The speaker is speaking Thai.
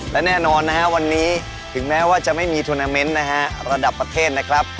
และแน่นอนนะฮะวันนี้ถึงแม้ว่าจะไม่มีทวนาเมนต์นะฮะระดับประเทศนะครับ